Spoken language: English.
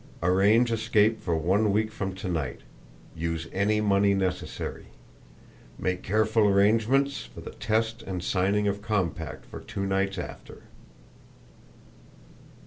Arrange escape for one week from to night; use any money necessary. Make careful arrangements for the test and signing of compact for two nights after."